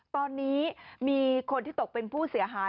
ตอนนี้มีคนที่ตกเป็นผู้เสียหาย